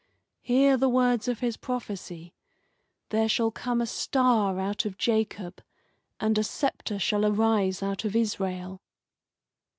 Hear the words of his prophecy: 'There shall come a star out of Jacob, and a sceptre shall arise out of Israel.